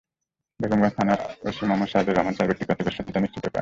বেগমগঞ্জ থানার ওসি মোহাম্মদ সাজেদুর রহমান চার ব্যক্তিকে আটকের সত্যতা নিশ্চিত করেছেন।